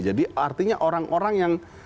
jadi artinya orang orang yang